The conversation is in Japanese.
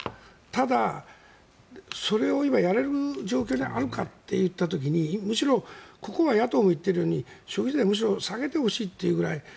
ただ、それを今やれる状況にあるかと言った時にむしろ野党も言っているように消費税を下げてほしいぐらい。